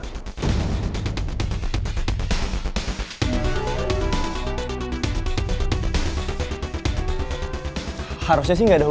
itu juga saya tahu